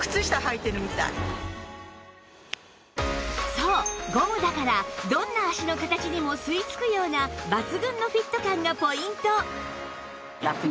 そうゴムだからどんな足の形にも吸い付くような抜群のフィット感がポイント